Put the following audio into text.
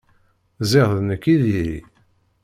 Ziɣ d nekk i diri.